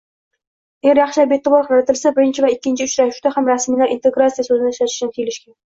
Agar yaxshilab eʼtibor qaratilsa, birinchi va ikkinchi uchrashuvda ham rasmiylar “integratsiya” soʻzini ishlatishdan tiyilishgan.